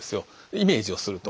イメージをすると。